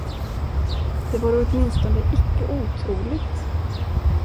Det vore åtminstone icke otroligt.